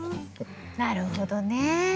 なるほどね。